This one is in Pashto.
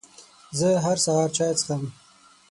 زه هر سهار چای څښم.